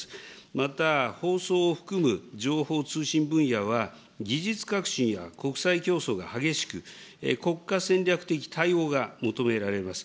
また放送を含む情報通信分野は技術革新や国際競争が激しく、国家戦略的対応が求められます。